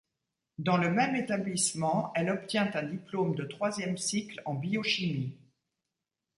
Dans le même établissement, elle obtient un diplôme de troisième cycle en biochimie.